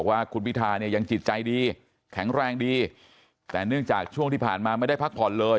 ว่าคุณพิธาเนี่ยยังจิตใจดีแข็งแรงดีแต่เนื่องจากช่วงที่ผ่านมาไม่ได้พักผ่อนเลย